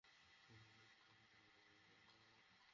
কাফির ও বদ-আমল হওয়ায় সে পিতার দীন-ধর্মের বিরুদ্ধাচরণ করে।